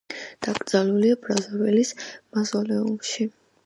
დაკრძალულია ბრაზავილის მავზოლეუმში.